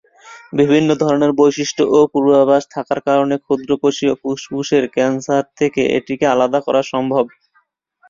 ভিন্ন ধরনের বৈশিষ্ট ও পূর্বাভাস থাকার কারণে ক্ষুদ্র কোষীয় ফুসফুসের ক্যান্সার থেকে এটিকে আলাদা করা সম্ভব।